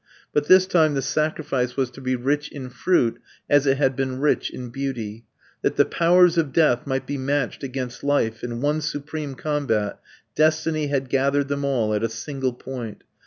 But this time the sacrifice was to be rich in fruit as it had been rich in beauty. That the powers of death might be matched against life in one supreme combat, destiny had gathered them all at a single point.